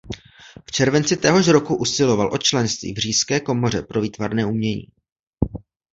V červenci téhož roku usiloval o členství v Říšské komoře pro výtvarné umění.